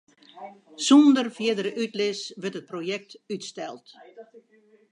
Sûnder fierdere útlis wurdt it projekt útsteld.